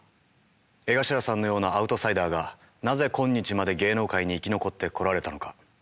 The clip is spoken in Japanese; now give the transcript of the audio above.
江頭さんのようなアウトサイダーがなぜ今日まで芸能界に生き残ってこられたのか？